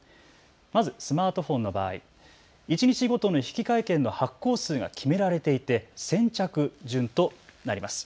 まずスマートフォンの場合、一日ごとの引換券の発行数が決められていて先着順となります。